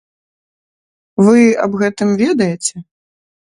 Вы аб гэтым ведаеце?